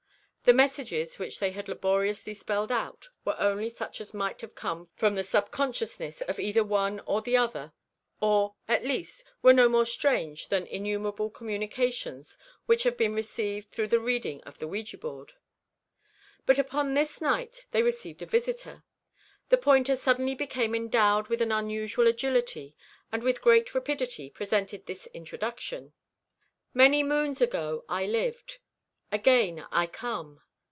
The messages which they had laboriously spelled out were only such as might have come from the subconsciousness of either one or the other, or, at least, were no more strange than innumerable communications which have been received through the reading of the ouija board. But upon this night they received a visitor. The pointer suddenly became endowed with an unusual agility, and with great rapidity presented this introduction: "Many moons ago I lived. Again I come.